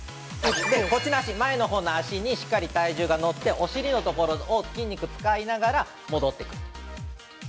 こっちの脚、前のほうの脚にしっかり体重が乗ってお尻のところを筋肉を使いながら戻ってくる。